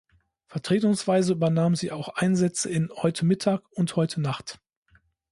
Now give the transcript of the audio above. Vertretungsweise übernahm sie auch Einsätze in "heute mittag" und "heute nacht".